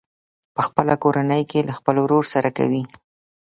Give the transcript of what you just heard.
په خپله کورنۍ کې له خپل ورور سره کوي.